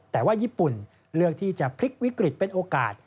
แต่ว่าญี่ปุ่นเลือกที่จะพลิกวิกฤตเป็นโอกาส